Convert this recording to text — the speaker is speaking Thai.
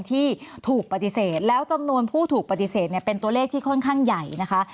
ที่ถูกปฏิเสธแล้วจำนวนผู้ถูกปฏิเสธเนี่ยเป็นตัวเลขที่ค่อนข้างใหญ่นะคะ